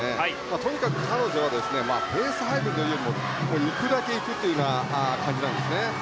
とにかく彼女はペース配分というよりも行くだけ行くという感じなんですね。